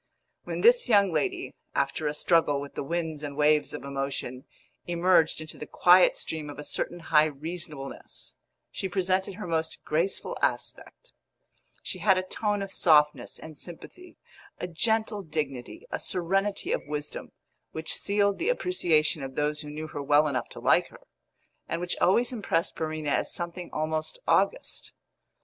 When this young lady, after a struggle with the winds and waves of emotion, emerged into the quiet stream of a certain high reasonableness, she presented her most graceful aspect; she had a tone of softness and sympathy, a gentle dignity, a serenity of wisdom, which sealed the appreciation of those who knew her well enough to like her, and which always impressed Verena as something almost august.